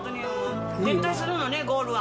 絶対するのね、ゴールは。